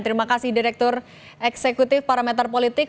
terima kasih direktur eksekutif parameter politik